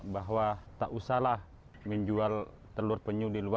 bahwa tak usahlah menjual telur penyu di luar